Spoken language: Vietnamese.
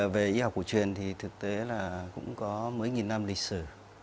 về y học cổ truyền thì thực tế là cũng có mấy nghìn năm lịch sử